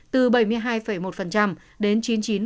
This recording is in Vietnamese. từ bảy mươi hai một đến chín mươi chín